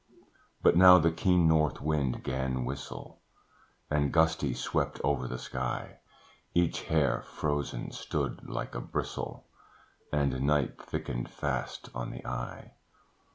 But now the keen north wind 'gan whistle, And gusty, swept over the sky; Each hair, frozen, stood like a bristle, And night thickened fast on the eye.